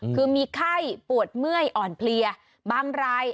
คือมีไข้ปวดเมื่อยอ่อนเพลียบางราย